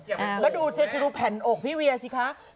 อยากเป็นโอ๊งอย่างไรทำไมแล้วดูแผ่นอกพี่เวียสิคะ